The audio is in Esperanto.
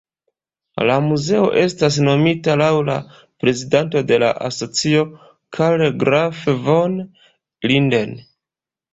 La muzeo estas nomita laŭ la prezidanto de la asocio Karl Graf von Linden.